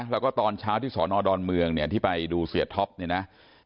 แล้วก็ตอนเช้าที่สอนอดอนเมืองเนี่ยที่ไปดูเสียท็อปเนี่ยนะ